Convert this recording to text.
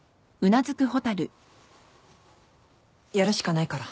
やるしかないから。